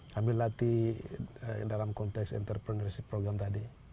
sambil latih dalam konteks entrepreneurship program tadi